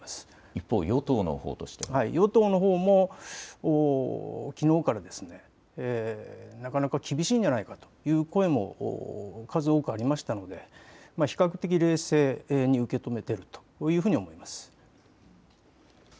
一方、与党のほうとしては与党のほうもきのうからなかなか厳しいんじゃないかという声も数多くありましたので比較的、冷静に受け止めているというふうに思います。